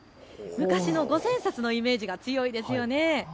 昔の五千円札のイメージが強いですよね。